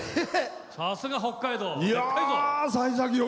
さすが北海道！